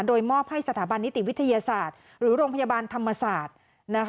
โดยมอบให้สถาบันนิติวิทยาศาสตร์หรือโรงพยาบาลธรรมศาสตร์